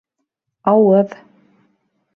Ауыҙ